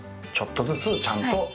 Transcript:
ちょっとずつちゃんと。